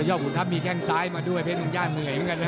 ยอดกุนทัพมีแข่งซ้ายมาด้วยเพศมึงย่าเหนื่อยกันนะ